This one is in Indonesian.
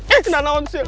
eh kena naon sial